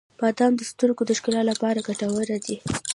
• بادام د سترګو د ښکلا لپاره ګټور دي.